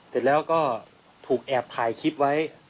เสร็จแล้วก็ถูกแอบถ่ายคลิปไว้